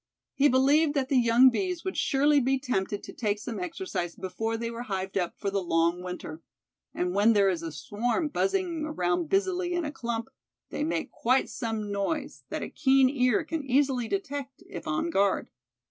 He believed that the young bees would surely be tempted to take some exercise before they were hived up for the long winter. And when there is a swarm buzzing around busily in a clump, they make quite some noise, that a keen ear can easily detect, if on guard.